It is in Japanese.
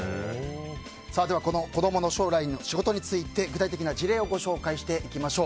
では子供の将来の仕事について、具体的な事例をご紹介していきましょう。